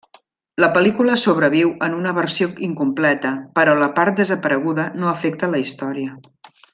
La pel·lícula sobreviu en una versió incompleta, però la part desapareguda no afecta la història.